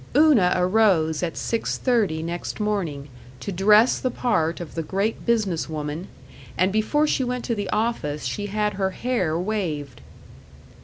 Una arose at six thirty next morning, to dress the part of the great business woman, and before she went to the office she had her hair waved.